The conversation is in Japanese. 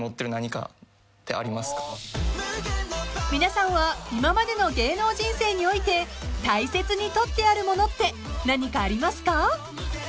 ［皆さんは今までの芸能人生において大切に取ってあるものって何かありますか？］